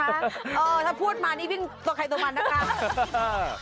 เออถ้าพูดมานี่วิ่งตัวไข่ตัวมันนะครับ